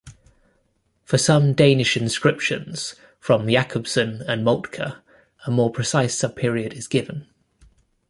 For some Danish inscriptions from Jacobsen and Moltke a more precise sub-period is given.